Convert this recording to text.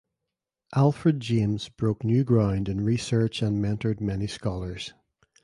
Alfred James broke new ground in research and mentored many Scholars.